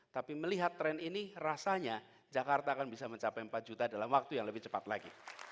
tapi melihat tren ini rasanya jakarta akan bisa mencapai empat juta dalam waktu yang lebih cepat lagi